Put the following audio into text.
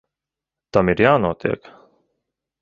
Tam ir jānotiek.